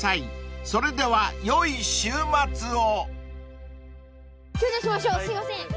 ［それではよい週末を］